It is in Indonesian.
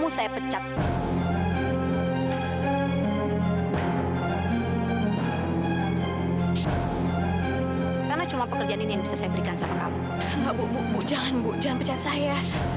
sampai jumpa di video selanjutnya